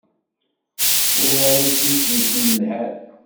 Ur akk idlisen lhan.